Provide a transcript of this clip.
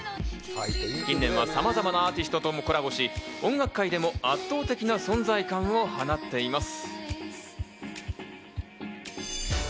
近年はさまざまなアーティストともコラボし、音楽界でも圧倒的な存在感を放っています。